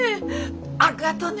あっがとね。